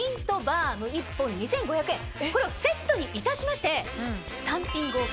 これをセットにいたしまして。